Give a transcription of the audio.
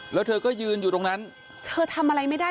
แล้วเธอก็ยืนอยู่ตรงนั้นเธอทำอะไรไม่ได้